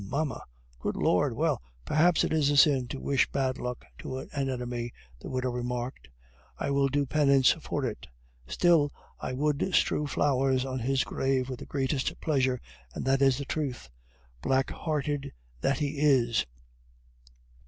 mamma." "Good Lord! Well, perhaps it is a sin to wish bad luck to an enemy," the widow remarked. "I will do penance for it. Still, I would strew flowers on his grave with the greatest pleasure, and that is the truth. Black hearted, that he is!